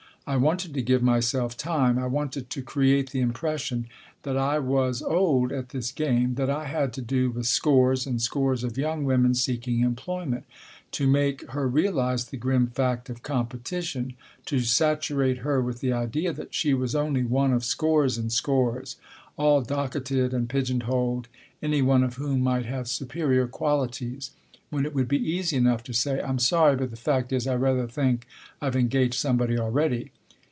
I wanted to give myself time ; I wanted to create the impression that I was old at this game ; that I had to do with scores and scores of young women seeking employment ; to make her realize the grim fact of competition ; to saturate her with the idea that she was only one of scores and scores, all docketed and pigeon holed, any one of whom might have superior qualities ; when it would be easy enough to say, "I'm sorry, but the fact is, I rather think I've engaged somebody already."